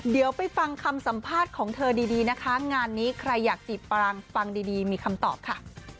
เดี๋ยวไปฟังคำสัมภาษณ์ของเธอดีนะคะงานนี้ใครอยากจีบปรังฟังดีมีคำตอบค่ะ